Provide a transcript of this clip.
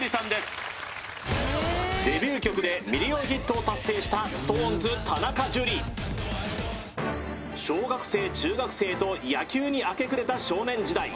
デビュー曲でミリオンヒットを達成した小学生中学生と野球に明け暮れた少年時代